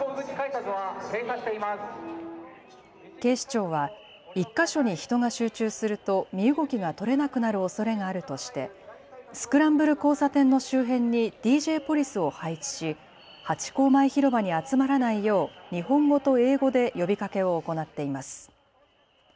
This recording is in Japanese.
警視庁は１か所に人が集中すると身動きが取れなくなるおそれがあるとしてスクランブル交差点の周辺にＤＪポリスを配置しハチ公前広場に集まらないよう日本語と英語で呼びかけを行っています。